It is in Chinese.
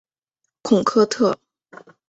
孔科特。